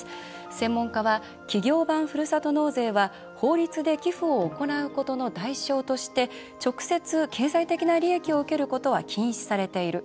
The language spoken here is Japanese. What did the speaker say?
専門家は企業版ふるさと納税は、法律で寄付を行うことの代償として直接、経済的な利益を受けることは禁止されている。